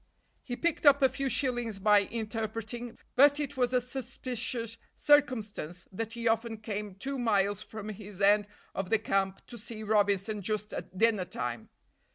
He picked up a few shillings by interpreting, but it was a suspicious circumstance that he often came two miles from his end of the camp to see Robinson just at dinner time.